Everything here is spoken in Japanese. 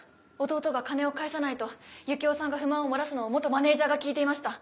「弟が金を返さない」と夕紀夫さんが不満を漏らすのを元マネジャーが聞いていました。